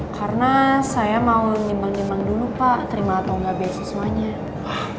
karena saya mau nimbang nimbang dulu pak terima atau enggak beasiswanya